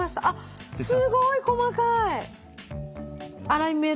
あっすごい細かい！